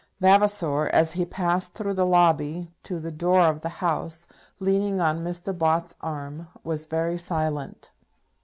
Vavasor, as he passed through the lobby to the door of the House, leaning on Mr. Bott's arm, was very silent.